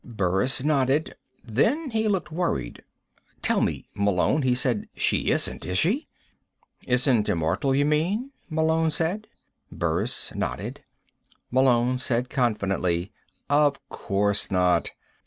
Burris nodded. Then he looked worried. "Tell me, Malone," he said. "She isn't, is she?" "Isn't immortal, you mean?" Malone said. Burris nodded. Malone said confidently: "Of course not."